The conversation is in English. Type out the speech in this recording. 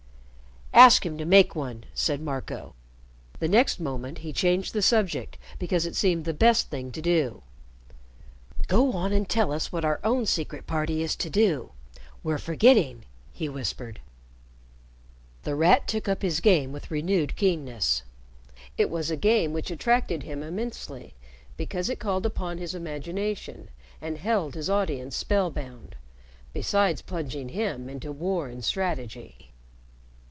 "Ask him to make one," said Marco. The next moment he changed the subject because it seemed the best thing to do. "Go on and tell us what our own Secret Party is to do. We're forgetting," he whispered. The Rat took up his game with renewed keenness. It was a game which attracted him immensely because it called upon his imagination and held his audience spellbound, besides plunging him into war and strategy.